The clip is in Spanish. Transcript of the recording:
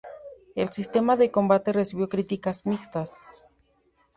El sistema de combate recibió críticas mixtas.